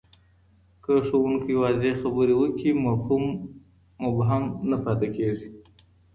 که ښوونکی واضح خبري وکړي، مفهوم مبهم نه پاتې کېږي.